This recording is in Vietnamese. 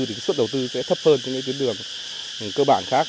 thì cái suất đầu tư sẽ thấp hơn những cái tuyến đường cơ bản khác